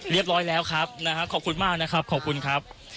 เรียบร้อยแล้วครับนะฮะขอบคุณมากนะครับขอบคุณครับ